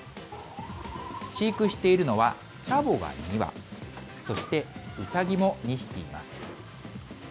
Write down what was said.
飼育しているのは、チャボが２羽、そしてウサギも２匹います。